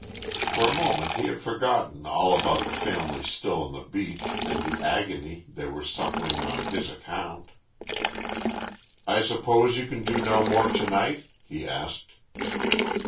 For a moment he had forgotten all about the family still on the beach and the agony they were suffering on his account. "I suppose you can do no more to night?" he asked.